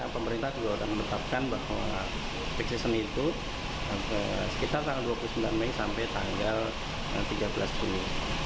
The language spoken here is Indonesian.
pemerintah juga sudah menetapkan bahwa fixation itu sekitar tanggal dua puluh sembilan mei sampai tanggal tiga belas juni